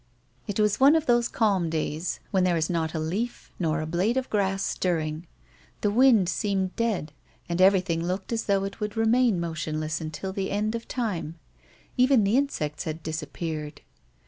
It was one of those calm days when there is not a leaf nor a blade of grass stirring. The wind seemed dead, and everything looked as though it would remain motionless un til the end of time ; even the insects had disappeared.